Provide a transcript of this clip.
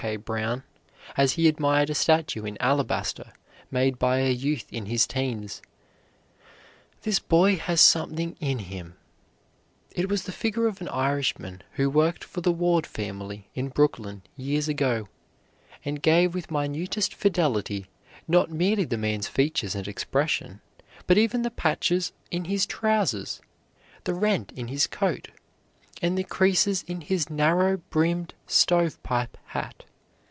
K. Brown, as he admired a statue in alabaster made by a youth in his teens, "this boy has something in him." It was the figure of an Irishman who worked for the Ward family in Brooklyn years ago, and gave with minutest fidelity not merely the man's features and expression, but even the patches in his trousers, the rent in his coat, and the creases in his narrow brimmed stove pipe hat.